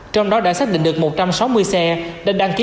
trong đó đã xác định được một trăm sáu mươi xe nên đăng ký